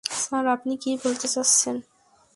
Sir, আপনি কী বলতে চাচ্ছেন?